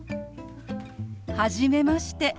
はじめまして。